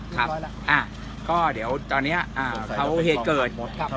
ครับก็เดี๋ยวตอนนี้เขาเหตุเกิด